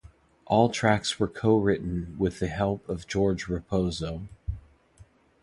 All tracks were co-written with the help of Joe Raposo.